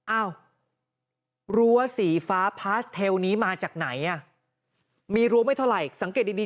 อ้าวรั้วสีฟ้าพาสเทลนี้มาจากไหนอ่ะมีรั้วไม่เท่าไหร่สังเกตดี